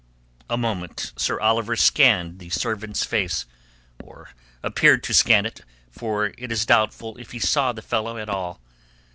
A moment Sir Oliver scanned the servant's face—or appeared to scan it, for it is doubtful if he saw the fellow at all.